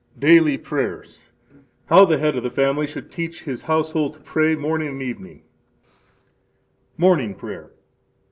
Daily Prayers How the head of the family should teach his household to pray morning and evening Morning Prayer.